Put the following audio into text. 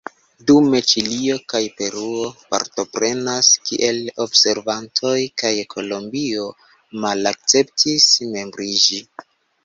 Dume Ĉilio kaj Peruo partoprenas kiel observantoj kaj Kolombio malakceptis membriĝi.